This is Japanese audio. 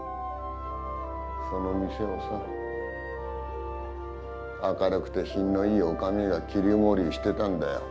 その店をさ明るくて品のいい女将が切り盛りしてたんだよ。